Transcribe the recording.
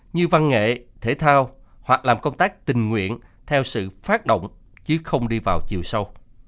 như văn nghệ thể thao hoặc làm công tác tình nguyện theo sự phát động chứ không đi vào chiều sâu